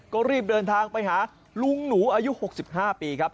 ก็รีบเดินทางไปหาลุงหนูอายุ๖๕ปีครับ